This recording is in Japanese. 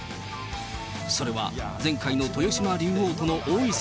それは前回の豊島竜王との王位戦